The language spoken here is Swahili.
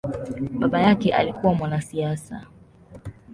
Baba yake alikua mwanasiasa.